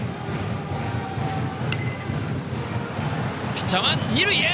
ピッチャーは二塁へ！